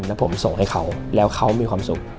แล้วผมส่งให้เขาแล้วเขามีความสุข